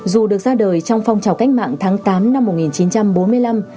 dù được ra đời trong phong trào cách mạng tháng tám năm một nghìn chín trăm bốn mươi năm